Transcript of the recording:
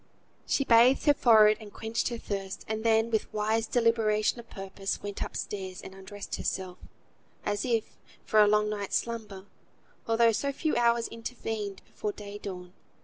She bathed her forehead, and quenched her thirst, and then, with wise deliberation of purpose, went upstairs, and undressed herself, as if for a long night's slumber, although so few hours intervened before day dawn.